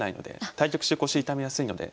対局中腰痛めやすいので。